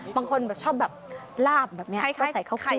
บางคนชอบแบบลาบแบบนี้ก็ใส่ข้าวคั่ว